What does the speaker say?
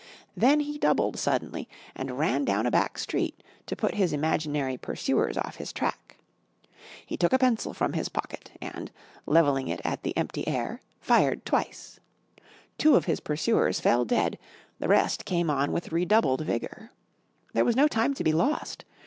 Then he doubled suddenly and ran down a back street to put his imaginary pursuers off his track. He took a pencil from his pocket and, levelling it at the empty air, fired twice. Two of his pursuers fell dead, the rest came on with redoubled vigour. There was no time to be lost.